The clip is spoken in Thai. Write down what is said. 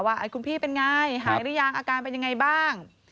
ว่าคุณพี่เป็นไงหายหรือยังอาการเป็นยังไงบ้าง